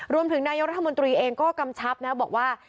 รวมถึงนายกรัฐมนตรีเองก็กำชับนะบอกว่า